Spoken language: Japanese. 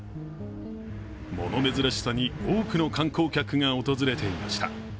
物珍しさに多くの観光客が訪れていました。